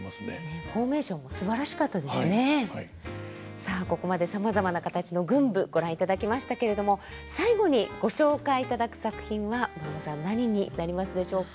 さあここまでさまざまな形の群舞ご覧いただきましたけれども最後にご紹介いただく作品は丸茂さん何になりますでしょうか？